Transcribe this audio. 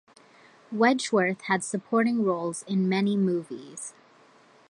Wedgeworth had supporting roles in many movies.